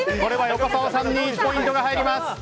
横澤さんに１ポイントが入ります。